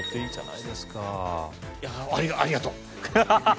「いやありがとう」